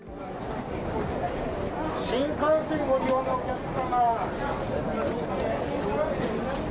新幹線ご利用のお客さま。